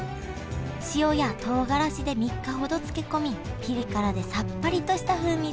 塩やとうがらしで３日ほど漬け込みピリ辛でさっぱりとした風味です。